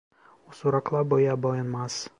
Osurukla boya boyanmaz.